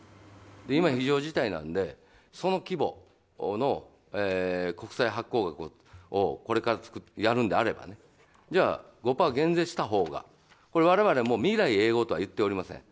今、非常事態なのでその規模の国債発行額をこれからやるのであればじゃあ、５％減税したほうが我々も未来永劫とは言っていません。